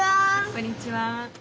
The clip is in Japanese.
こんにちは。